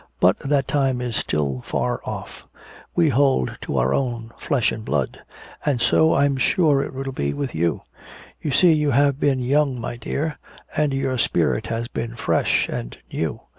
But that time is still far off we hold to our own flesh and blood. And so I'm sure it will be with you. You see you have been young, my dear, and your spirit has been fresh and new.